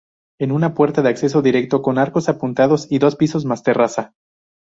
Es una puerta de acceso directo, con arcos apuntados y dos pisos más terraza.